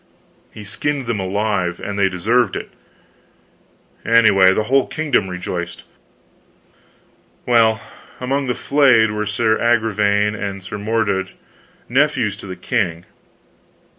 "He skinned them alive, and they deserved it anyway, the whole kingdom rejoiced. Well, among the flayed were Sir Agravaine and Sir Mordred, nephews to the king.